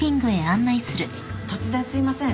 突然すいません。